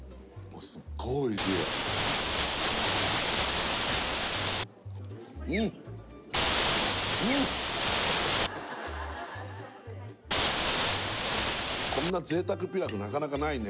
すっごいおいしいうんうんっこんな贅沢ピラフなかなかないね